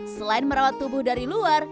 selain merawat tubuh dari luar